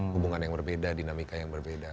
hubungan yang berbeda dinamika yang berbeda